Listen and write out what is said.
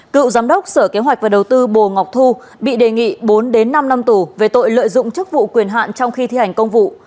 cựu giám đốc sở kế hoạch và đầu tư bồ ngọc thu bị đề nghị bốn năm năm tù về tội lợi dụng chức vụ quyền hạn trong khi thi hành công vụ